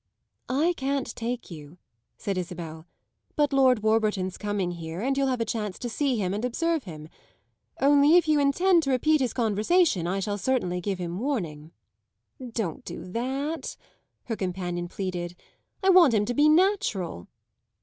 "I can't take you," said Isabel; "but Lord Warburton's coming here, and you'll have a chance to see him and observe him. Only if you intend to repeat his conversation I shall certainly give him warning." "Don't do that," her companion pleaded; "I want him to be natural."